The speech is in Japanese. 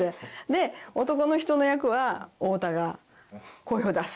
で男の人の役は太田が声を出してしゃべる。